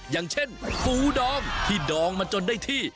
อย่างเช่นฟูดองที่ดองมาจนได้ที่